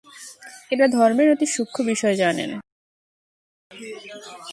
এরা ধর্মের অতি সূক্ষ্ম বিষয় জানেন।